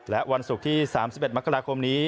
และวันศุกร์ที่๓๑มกราคมนี้